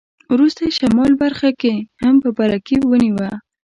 وروسته یې شمال برخه هم په برکې ونیوه.